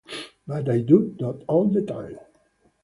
But I do that all the time.